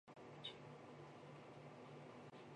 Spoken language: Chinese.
白色微细粉末。